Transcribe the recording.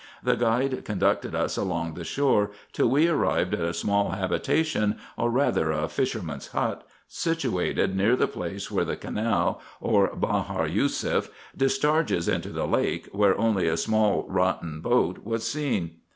The guide conducted us along the shore, till we arrived at a small ha bitation, or rather a fisherman's hut, situated near the place where the canal, or Bahar Yousef, discharges into the lake, where only a small rotten boat was seen.